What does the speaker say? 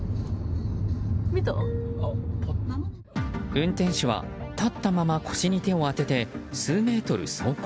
運転手は、立ったまま腰に手を当てて数メートル走行。